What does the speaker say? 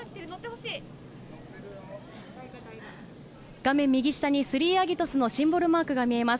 画面右下にスリーアギトスのシンボルマークが見えます。